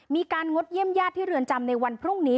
งดเยี่ยมญาติที่เรือนจำในวันพรุ่งนี้